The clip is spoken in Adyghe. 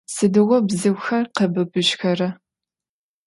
Сыдигъо бзыухэр къэбыбыжьхэра?